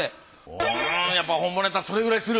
おやっぱ本物やったらそれくらいする？